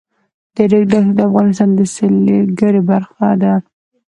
د ریګ دښتې د افغانستان د سیلګرۍ برخه ده.